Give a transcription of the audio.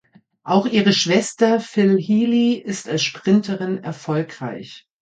Auch ihre Schwester Phil Healy ist als Sprinterin erfolgreich.